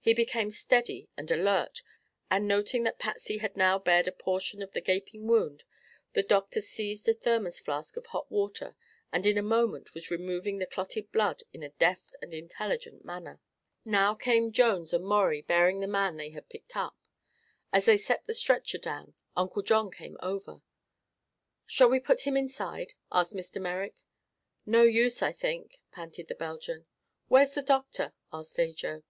He became steady and alert and noting that Patsy had now bared a portion of the gaping wound the doctor seized a thermos flask of hot water and in a moment was removing the clotted blood in a deft and intelligent manner. Now came Jones and Maurie bearing the man they had picked up. As they set the stretcher down, Uncle John came over. "Shall we put him inside?" asked Mr. Merrick. "No use, I think," panted the Belgian. "Where's the doctor?" asked Ajo.